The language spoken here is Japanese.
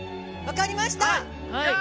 わかりました。